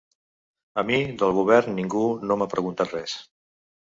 A mi del govern ningú no m’ha preguntat res.